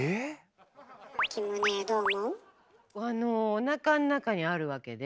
おなかの中にあるわけで。